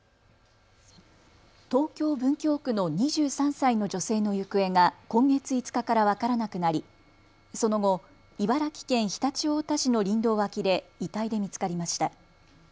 東京文京区の２３歳の女性の行方が今月５日から分からなくなりその後、茨城県常陸太田市の林道脇で遺体で見つかりました。